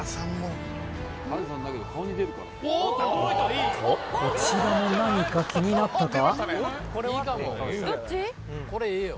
おっとこちらも何か気になったか？